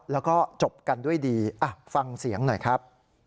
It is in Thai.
แล้วก็จบกันด้วยดีฟังเสียงหน่อยครับ